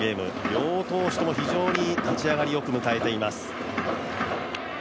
両投手とも、非常に立ち上がり良く迎えています。